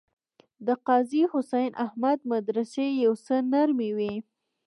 د قاضي حسین احمد مدرسې یو څه نرمې وې.